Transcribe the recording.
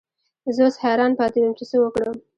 زه اوس حیران پاتې وم چې څه وکړم.